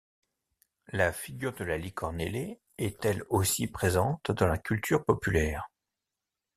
La figure de la licorne ailée est elle aussi présente dans la culture populaire.